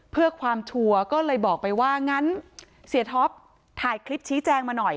เพื่อความชัวร์ก็เลยบอกไปว่างั้นเสียท็อปถ่ายคลิปชี้แจงมาหน่อย